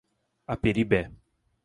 Aperibé